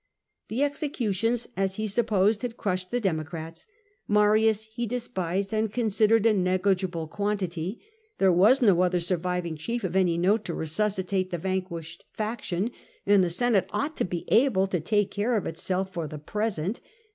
The executions, as he supposed, had crushed the Democrats. Marius he despised, and considered a negli gible quantity ; there was no other surviving chief of any note to resuscitate the vanquished faction, and tho Senate ought to be able to tahe care of itself for the present.